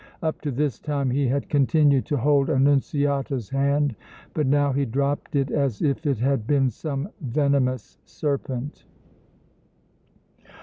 Up to this time he had continued to hold Annunziata's hand, but now he dropped it as if it had been some venomous serpent.